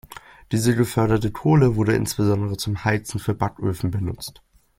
Diese geförderte Kohle wurde insbesondere zum Heizen für Backöfen benutzt.